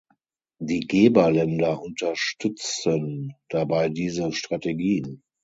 Die Geberländer unterstützen dabei diese Strategien.